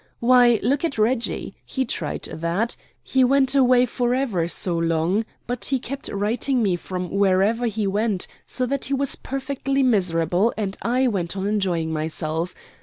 Why, look at Reggie. He tried that. He went away for ever so long, but he kept writing me from wherever he went, so that he was perfectly miserable and I went on enjoying myself.